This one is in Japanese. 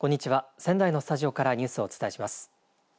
仙台のスタジオからニュースをお伝えします。